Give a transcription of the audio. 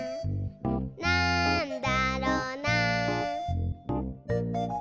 「なんだろな？」